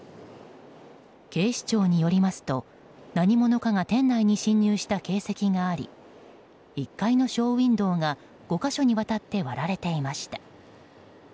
警視庁によりますと何者かが店内に侵入した形跡があり１階のショーウィンドーが５か所にわたって割られていました。